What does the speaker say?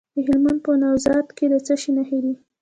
د هلمند په نوزاد کې د څه شي نښې دي؟